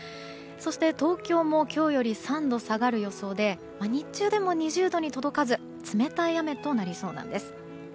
そして、東京も今日より３度下がる予想で日中でも２０度に届かず冷たい雨となりそうなんです。